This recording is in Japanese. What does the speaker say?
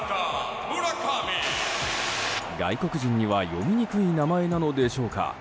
外国人には読みにくい名前なのでしょうか。